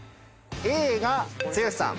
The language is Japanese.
Ａが剛さん。